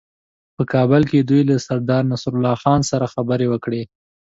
په کابل کې دوی له سردارنصرالله خان سره خبرې وکړې.